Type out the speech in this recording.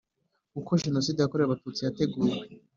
uko Jenoside yakorewe Abatutsi yateguwe